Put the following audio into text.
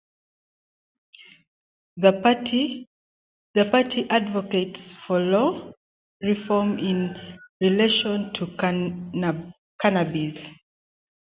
The party advocates for law reform in relation to cannabis.